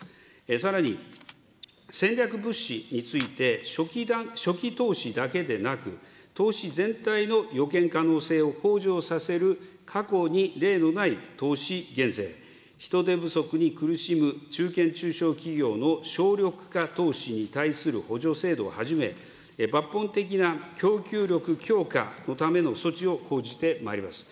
さらに、戦略物資について初期投資だけでなく、投資全体の予見可能性を向上させる過去に例のない投資減税、人手不足に苦しむ中堅・中小企業の省力化投資に対する補助制度をはじめ、抜本的な供給力強化のための措置を講じてまいります。